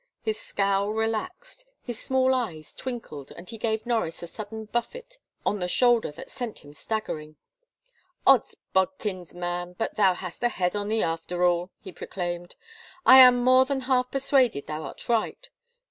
His scowl relaxed, his small eyes twinkled and he gave Norris a sudden buffet on the shoulder that sent him staggering " Od*s bodkins, man, but thou hast a head on thee after all !" he proclaimed. " I am more than half persuaded thou art right.